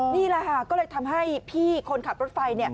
นี่แหละค่ะก็เลยทำให้พี่คนขับรถไฟ